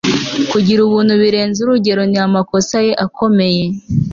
Kugira ubuntu birenze urugero ni amakosa ye akomeye